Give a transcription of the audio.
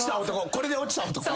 これで落ちた男。